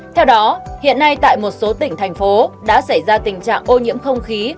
theo đó hiện nay tại một số tỉnh thành phố đã xảy ra tình trạng ô nhiễm không khí